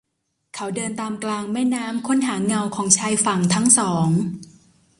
เขาเดินตามกลางแม่น้ำ ค้นหาเงาของชายฝั่งทั้งสอง